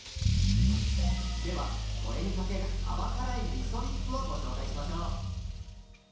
ではこれにかける甘辛いみそディップをご紹介しましょう。